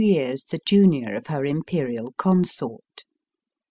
years the junior of her Imperial consort.